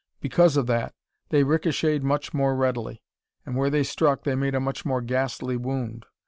Because of that, they ricocheted much more readily, and where they struck they made a much more ghastly wound.